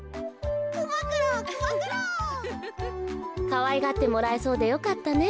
かわいがってもらえそうでよかったね